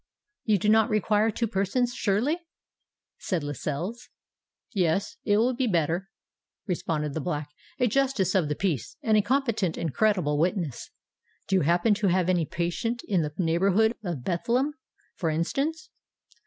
"You do not require two persons, surely?" said Lascelles. "Yes—it will be better," responded the Black; "a Justice of the Peace, and a competent and credible witness. Do you happen to have any patient in the neighbourhood of Bethlem, for instance?"